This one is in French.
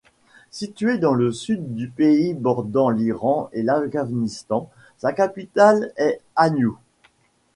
Située dans le sud du pays, bordant l'Iran et l'Afghanistan, sa capitale est Änew.